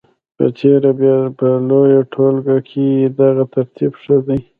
په تېره بیا په لویه ټولګه کې دغه ترتیب ښه دی.